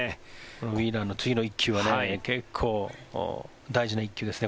ウィーラーの次の１球は結構、大事な１球ですね。